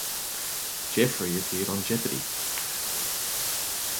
Jeffrey appeared on Jeopardy!